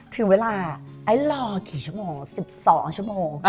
ถึงเวลาไอ้รอกี่ชั่วโมง๑๒ชั่วโมง